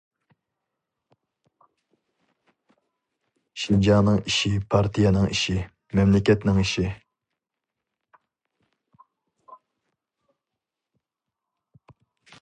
شىنجاڭنىڭ ئىشى پارتىيەنىڭ ئىشى، مەملىكەتنىڭ ئىشى.